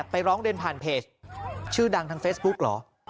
ร้องเรียนผ่านเพจชื่อดังทางเฟซบุ๊กเหรอ